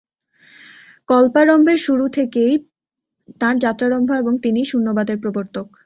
কল্পারম্ভের শুরু থেকেই তাঁর যাত্রারম্ভ এবং তিনিই শূন্যবাদের প্রবর্তক।